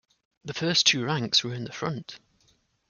The first two ranks were in the front.